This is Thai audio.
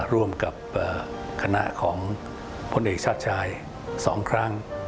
ร่วมกับคณะของพลเอกชาติชาย๒ครั้ง